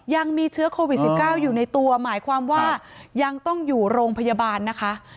ยังมีเชื้อโควิด๑๙อยู่ในตัวหมายความว่ายังต้องอยู่โรงพยาบาลนะคะ